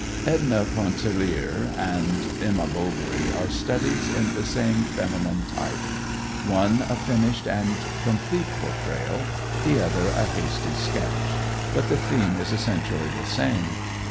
"Edna Pontellier" and "Emma Bovary" are studies in the same feminine type; one a finished and complete portrayal, the other a hasty sketch, but the theme is essentially the same.